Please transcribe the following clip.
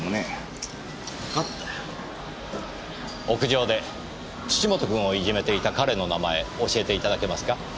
屋上で土本君をいじめていた彼の名前教えていただけますか。